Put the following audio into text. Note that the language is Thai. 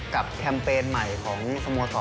แคมเปญใหม่ของสโมสร